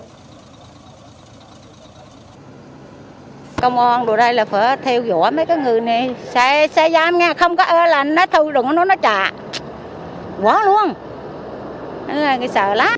công an đồ đây là phải theo dõi mấy cái người này xe giam nha không có lành nó thù đúng nó trả quá luôn người sợ lắm